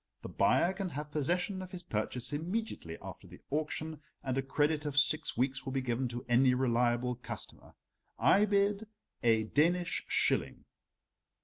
The buyer can have possession of his purchase immediately after the auction, and a credit of six weeks will be given to any reliable customer. I bid a Danish shilling."